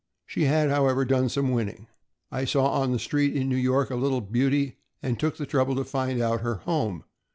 She had, however, done some winning. I saw on the street in New York a little beauty, and took the trouble to find out her home.